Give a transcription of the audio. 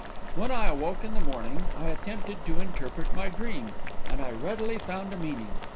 When I awoke in the morning, I attempted to interpret my dream, and I readily found a meaning.